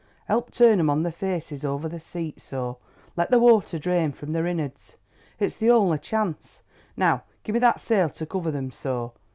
"Help turn 'em on their faces over the seat, so—let the water drain from their innards. It's the only chance. Now give me that sail to cover them—so.